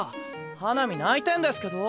花御泣いてんですけど。